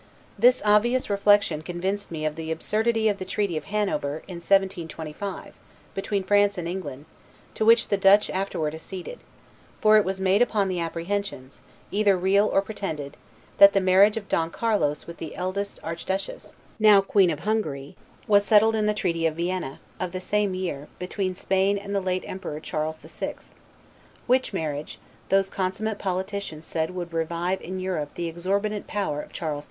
This obvious reflection convinced me of the absurdity of the treaty of Hanover, in 1725, between France and England, to which the Dutch afterward acceded; for it was made upon the apprehensions, either real or pretended, that the marriage of Don Carlos with the eldest archduchess, now Queen of Hungary, was settled in the treaty of Vienna, of the same year, between Spain and the late Emperor Charles VI., which marriage, those consummate politicians said would revive in Europe the exorbitant power of Charles V.